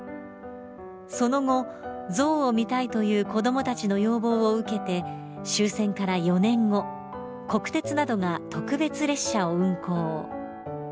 その後、象を見たいという子供たちの要望を受けて終戦から４年後、国鉄などが特別列車を運行。